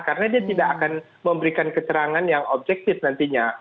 karena dia tidak akan memberikan keterangan yang objektif nantinya